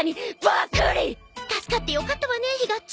助かってよかったわねひがっち！